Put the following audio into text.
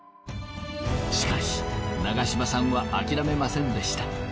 しかし長嶋さんは諦めませんでした。